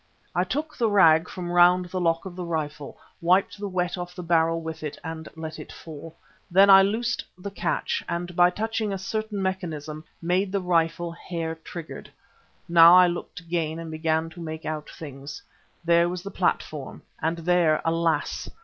I took the rag from round the lock of the rifle, wiped the wet off the barrel with it and let it fall. Then I loosed the catch and by touching a certain mechanism, made the rifle hair triggered. Now I looked again and began to make out things. There was the platform and there, alas!